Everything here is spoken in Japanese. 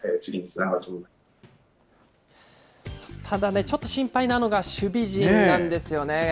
ただね、ちょっと心配なのが守備陣なんですよね。